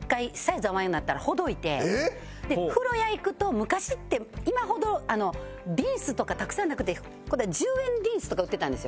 えっ？で風呂屋行くと昔って今ほどリンスとかたくさんなくて１０円リンスとか売ってたんですよ。